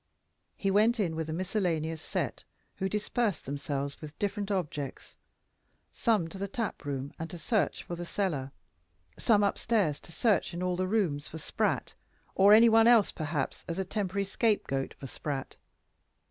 He went in with a miscellaneous set, who dispersed themselves with different objects some to the tap room, and to search for the cellar: some up stairs to search in all the rooms for Spratt, or any one else, perhaps, as a temporary scapegoat for Spratt.